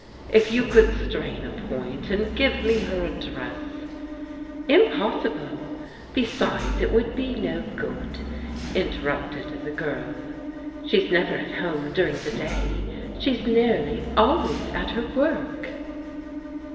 If you could strain a point and g^ve me her address '*" Impossible ; besides, it would be no good," interrupted the girl. " She's never at home during the day. She's nearly always at her work."